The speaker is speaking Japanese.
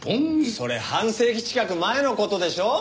それ半世紀近く前の事でしょ？